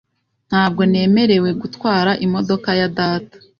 Ntabwo nemerewe gutwara imodoka ya data .